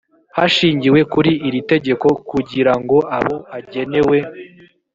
hashingiwe kuri iri tegeko kugira ngo abo agenewe